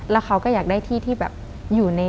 แล้วเขาก็อยากได้ที่ที่แบบอยู่ใน